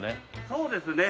そうですね。